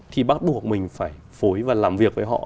thì bắt buộc mình phải phối và làm việc với họ đúng không ạ